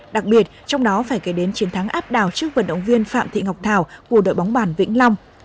đặc biệt trong đó phải kể đến chiến thắng áp đảo trước vận động viên phạm thị ngọc thảo của đội bóng bàn vĩnh long